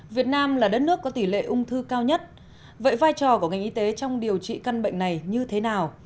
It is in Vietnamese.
việt nam là đất nước có tỷ lệ ung thư cao nhất vậy vai trò của ngành y tế trong điều trị căn bệnh này như thế nào